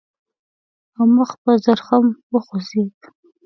او مخ په زرخم وخوځېد.